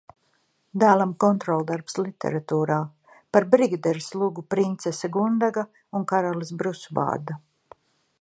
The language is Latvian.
Dēlam kontroldarbs literatūrā. Par Brigaderes lugu "Princese Gundega un karalis Brusubārda".